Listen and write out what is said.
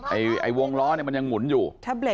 ไอ้วงล้อเนี่ยมันยังหมุนอยู่